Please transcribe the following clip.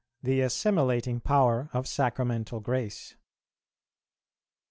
_The Assimilating Power of Sacramental Grace.